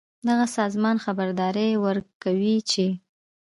دغه سازمان خبرداری ورکوي چې